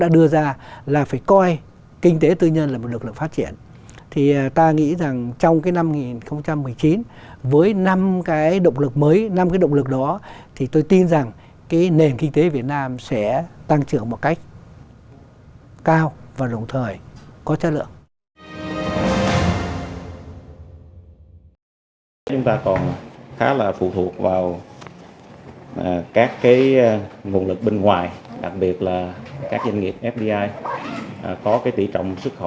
đặc biệt là các doanh nghiệp fdi có tỷ trọng xuất khẩu khá cao bảy mươi